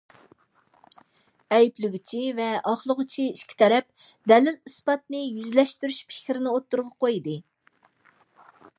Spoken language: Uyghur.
ئەيىبلىگۈچى ۋە ئاقلىغۇچى ئىككى تەرەپ دەلىل- ئىسپاتنى يۈزلەشتۈرۈش پىكرىنى ئوتتۇرىغا قويدى.